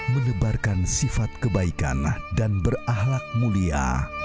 menebarkan sifat kebaikan dan berahlak mulia